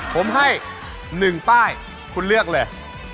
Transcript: ผมให้๑ป้ายคุณเลือกเลย